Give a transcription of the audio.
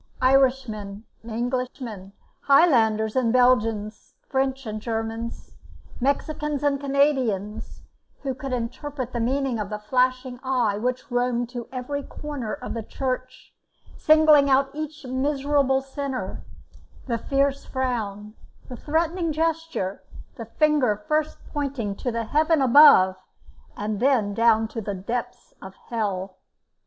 Irishmen and Englishmen, Highlanders and Belgians, French and Germans, Mexicans and Canadians, could interpret the meaning of the flashing eye which roamed to every corner of the church, singling out each miserable sinner; the fierce frown, the threatening gesture, the finger first pointing to the heaven above, and then down to the depths of hell.